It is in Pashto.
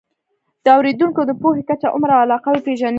د اورېدونکو د پوهې کچه، عمر او علاقه وپېژنئ.